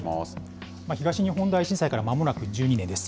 東日本大震災からまもなく１２年です。